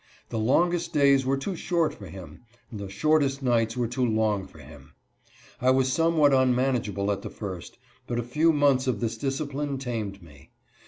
The longest days were too short for him, and the shortest nights were too long for him. I was 152 HIS DESPONDENCY. somewhat unmanageable at the first, but a few months of this discipline tamed me.